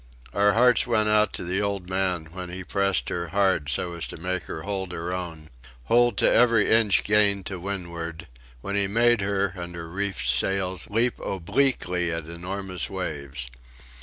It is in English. Our hearts went out to the old man when he pressed her hard so as to make her hold her own, hold to every inch gained to windward; when he made her, under reefed sails, leap obliquely at enormous waves.